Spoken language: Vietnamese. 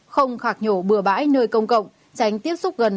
sáu không khả nhiệm